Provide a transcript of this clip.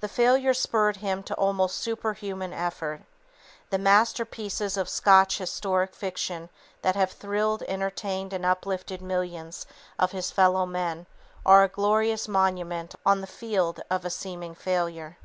The failure spurred him to almost super human effort. The masterpieces of Scotch historic fiction that have thrilled, entertained and uplifted millions of his fellow men are a glorious monument on the field of a seeming failure.